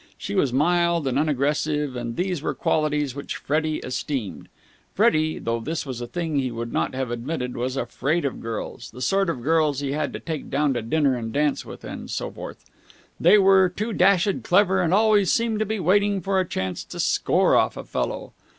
She was mild and unaggressive, and these were qualities which Freddie esteemed. Freddie, though this was a thing he would not have admitted, was afraid of girls, the sort of girls he had to take down to dinner and dance with and so forth. They were too dashed clever, and always seemed to be waiting for a chance to score off a fellow.